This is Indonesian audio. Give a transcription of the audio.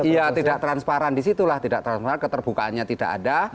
iya tidak transparan disitulah tidak transparan keterbukaannya tidak ada